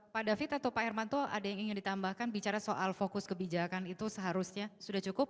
pak david atau pak hermanto ada yang ingin ditambahkan bicara soal fokus kebijakan itu seharusnya sudah cukup